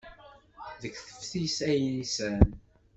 Deg teftist ay nsan.